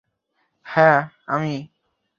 হাঁ, আমি।